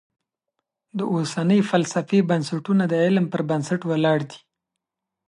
د اوسنۍ فلسفې بنسټونه د علم پر بنسټ ولاړ دي.